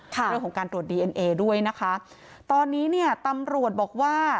เรื่องของการตรวจดีเอ็นเอด้วยนะคะตอนนี้เนี่ยตำรวจบอกว่า